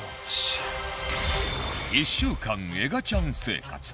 １週間エガちゃん生活。